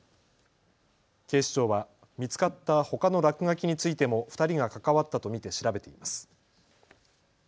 警視庁は見つかったほかの落書きについても２人が関わったと見て調べています。